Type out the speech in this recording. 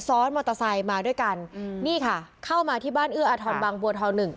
ซ้อนมอเตอร์ไซค์มาด้วยกันอืมนี่ค่ะเข้ามาที่บ้านเอื้ออาทรบางบัวทองหนึ่ง